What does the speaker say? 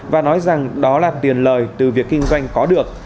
và nói rằng đó là tiền lời từ việc kinh doanh có được